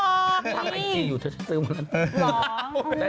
ทำไอจีอยู่เถอะซื้อมาแล้ว